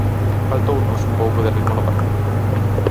Faltounos un pouco de ritmo no partido.